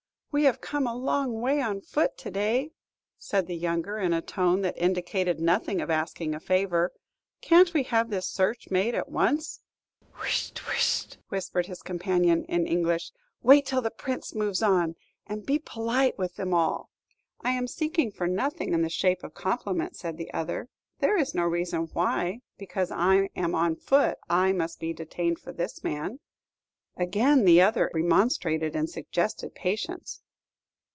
"We have come a long way on foot to day," said the younger in a tone that indicated nothing of one asking a favor. "Can't we have this search made at once?" "Whisht! whisht!" whispered his companion, in English; "wait till the Prince moves on, and be polite with them all." "I am seeking for nothing in the shape of compliment," said the other; "there is no reason why, because I am on foot, I must be detained for this man." Again the other remonstrated, and suggested patience.